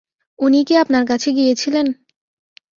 উনিই কি আপনার কাছে গিয়েছিলেন?